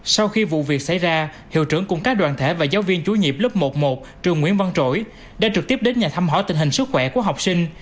sau khi vụ việc xảy ra hiệu trưởng cùng các đoàn thể và giáo viên chú nhịp lớp một một trường nguyễn văn trỗi đã trực tiếp đến nhà thăm hỏi tình hình sức khỏe của học sinh